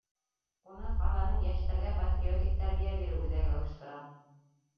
Уны ҡаланың Йәштәргә патриотик тәрбиә биреү үҙәге ойоштора.